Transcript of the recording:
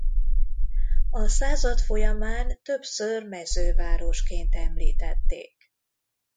A század folyamán többször mezővárosként említették.